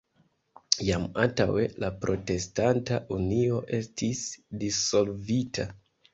Jam antaŭe la Protestanta Unio estis dissolvita.